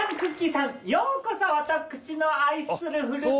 さんようこそ私の愛する佞襪気